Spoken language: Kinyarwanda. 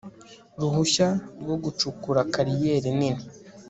ruhushya rwo gucukura kariyeri nini